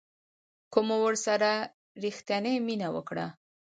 که مو ورسره ریښتینې مینه وکړه